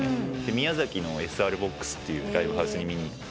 宮崎のＳＲＢＯＸっていうライブハウスに見に行って。